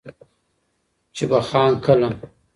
چي به خان کله